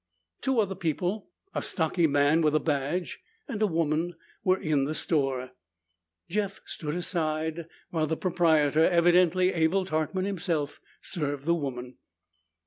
Two other people, a stocky man with a badge, and a woman, were in the store. Jeff stood aside while the proprietor, evidently Abel Tarkman himself, served the woman.